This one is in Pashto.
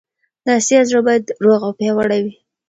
د اسیا زړه باید روغ او پیاوړی وي.